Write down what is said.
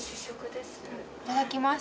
いただきます。